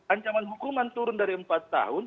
ancaman hukuman turun dari empat tahun